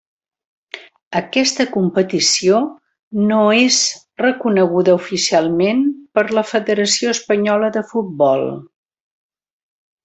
Aquesta competició no és reconeguda oficialment per la Federació Espanyola de Futbol.